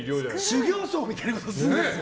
修行僧みたいなんです。